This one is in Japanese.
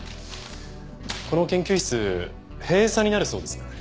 この研究室閉鎖になるそうですね。